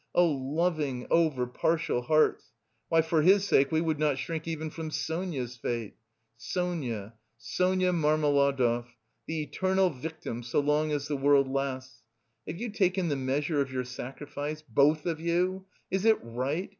Oh, loving, over partial hearts! Why, for his sake we would not shrink even from Sonia's fate. Sonia, Sonia Marmeladov, the eternal victim so long as the world lasts. Have you taken the measure of your sacrifice, both of you? Is it right?